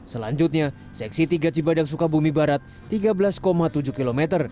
selanjutnya seksi tiga cibadak sukabumi barat tiga belas tujuh km